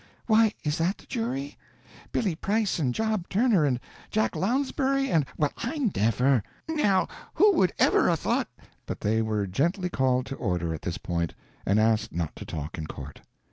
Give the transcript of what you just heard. Why, is that the jury? Billy Price and Job Turner, and Jack Lounsbury, and well, I never!" "Now who would ever 'a' thought " But they were gently called to order at this point, and asked not to talk in court.